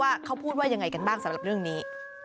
ว่าเขาพูดว่ายังไงกันบ้างสำหรับเรื่องนี้